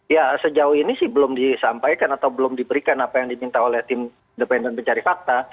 ya sejauh ini sih belum disampaikan atau belum diberikan apa yang diminta oleh tim independen mencari fakta